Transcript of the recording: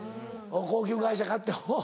高級外車買っておぉ。